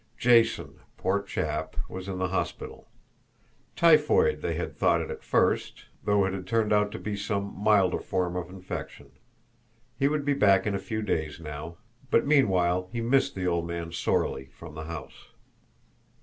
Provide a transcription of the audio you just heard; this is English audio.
Jason, poor chap, was in the hospital. Typhoid, they had thought it at first, though it had turned out to be some milder form of infection. He would be back in a few days now; but meanwhile he missed the old man sorely from the house.